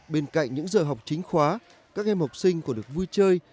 bên cạnh những giờ học chính khóa các em học sinh còn được vui chơi